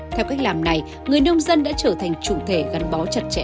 theo cách làm này người nông dân đã trở thành chủ thể gắn bó chặt chẽ